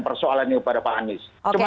persoalan ini kepada pak anies